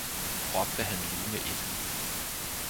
råbte han lige med ét.